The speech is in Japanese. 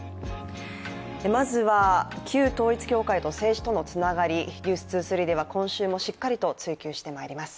まずは旧統一教会と政治とのつながり、「ｎｅｗｓ２３」では今週もしっかりと追及してまいります。